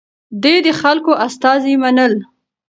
ده د خلکو استازي منل.